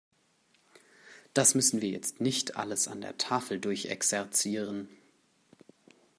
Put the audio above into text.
Das müssen wir jetzt nicht alles an der Tafel durchexerzieren.